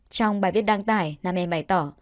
trong bài viết đăng tải nam em bày tỏ